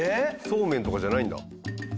そうめんとかじゃないんだ。